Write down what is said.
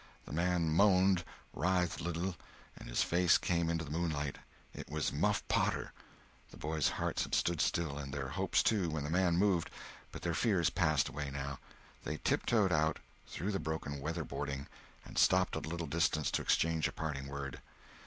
The man moaned, writhed a little, and his face came into the moonlight. It was Muff Potter. The boys' hearts had stood still, and their hopes too, when the man moved, but their fears passed away now. They tip toed out, through the broken weather boarding, and stopped at a little distance to exchange a parting word.